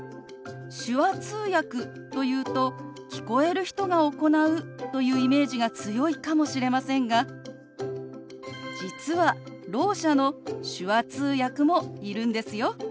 手話通訳というと聞こえる人が行うというイメージが強いかもしれませんが実はろう者の手話通訳もいるんですよ。